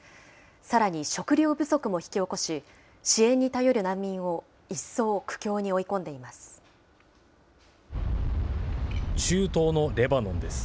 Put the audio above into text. さらに食料不足も引き起こし、支援に頼る難民を一層苦境に追い込んでいます。